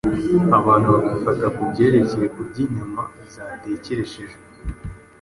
abantu bakwifata ku byerekeye kurya inyama zaterekereshejwe.